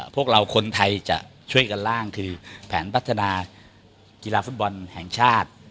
พวกเราคนไทยจะช่วยกันล่างคือแผนพัฒนากีฬาฟุตบอลแห่งชาติ